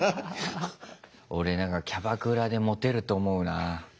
俺キャバクラでモテると思うなぁ。